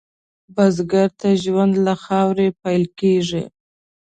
بزګر ته ژوند له خاورې پېل کېږي